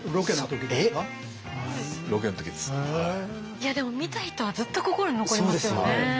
いやでも見た人はずっと心に残りますよね。